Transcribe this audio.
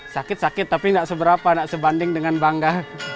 sakit sakit tapi tidak seberapa tidak sebanding dengan bangga